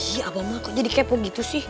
ih abang mah kok jadi kepo gitu sih